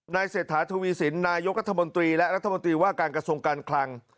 เศรษฐาทวีสินนายกรัฐมนตรีและรัฐมนตรีว่าการกระทรวงการคลัง